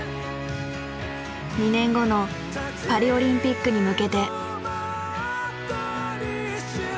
２年後のパリオリンピックに向けて。